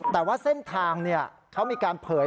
แต่ว่าเส้นทางเขามีการเผย